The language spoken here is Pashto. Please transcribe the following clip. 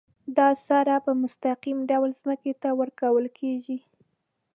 دا سره په مستقیم ډول ځمکې ته ورکول کیږي.